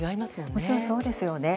もちろんそうですよね。